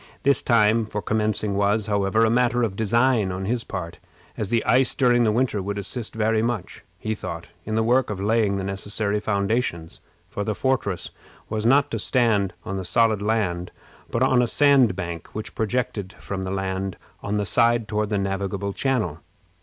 This time for commencing was, however, a matter of design on his part, as the ice during the winter would assist very much, he thought, in the work of laying the necessary foundations; for the fortress was not to stand on the solid land, but on a sandbank which projected from the land on the side toward the navigable channel.